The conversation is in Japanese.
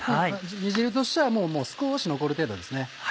煮汁としては少し残る程度ですね。